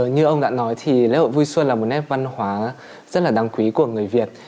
như ông đã nói thì lễ hội vui xuân là một nét văn hóa rất là đáng quý của người việt